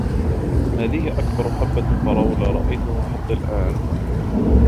هذه أكبر حبة فراولة رأيتها حتى الآن.